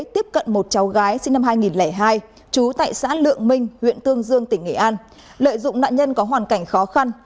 tiếp cận một cháu gái sinh năm hai nghìn hai chú tại xã lượng minh huyện tương dương tỉnh nghệ an lợi dụng nạn nhân có hoàn cảnh khó khăn